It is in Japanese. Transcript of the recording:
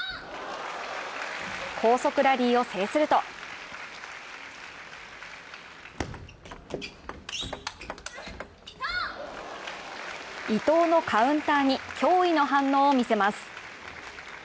高速ラリーを制すると伊藤のカウンターに驚異の反応を見せます。